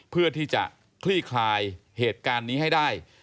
เพื่อที่จะคลี่คลายเหตุการณ์นี้ให้ได้